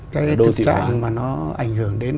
cái thực trạng mà nó ảnh hưởng đến